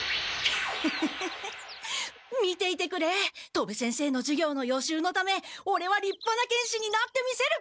戸部先生の授業の予習のためオレはりっぱな剣士になってみせる！